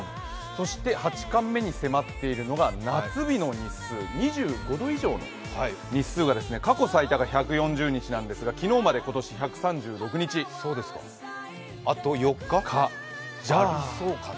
そして八冠目に迫っているのが夏日の日数、２５度以上の日数が過去最多があ１４０日なんですが、あと４日、ありそうかな？